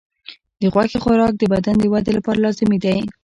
د غوښې خوراک د بدن د ودې لپاره لازمي دی.